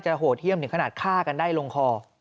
โหดเยี่ยมถึงขนาดฆ่ากันได้ลงคอ